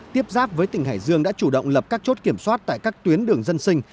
tiếp giáp với tỉnh hải dương đã chủ động lập các chốt kiểm soát tại các tuyến đường dân sinh